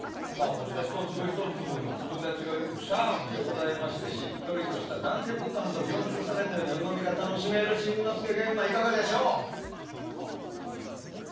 こちら、１粒１粒の粒立ちが良くシャープでございましてしっとりとした弾力感と凝縮されたようなうまみが楽しめる新之助の玄米いかがでしょう。